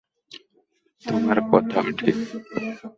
তোমার কথাও ঠিক।